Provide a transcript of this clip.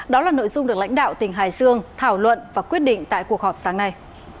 đó là nội dung được lãnh đạo tỉnh hải dương thảo luận và quyết định tại cuộc họp sáng nay